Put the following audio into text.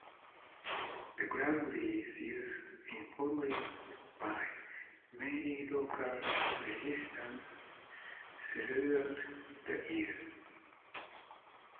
The ground is used informally by many local residents throughout the year.